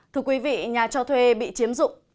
thưa quý vị nhà cho thuê bị chiếm dụng